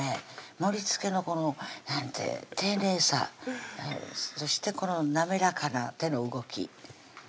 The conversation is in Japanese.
盛りつけのこの丁寧さそしてこの滑らかな手の動き